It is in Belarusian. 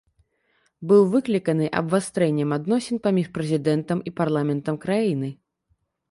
Быў выкліканы абвастрэннем адносін паміж прэзідэнтам і парламентам краіны.